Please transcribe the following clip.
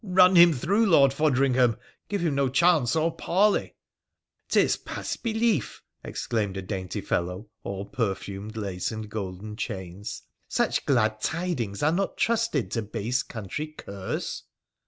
' Eun him through, Lord Fodringham ! Give him no chance or parley !*' 'Tis past belief !' exclaimed a dainty fellow, all perfumed lace and golden chains. ' Such glad tidings are not trusted to base country curs.'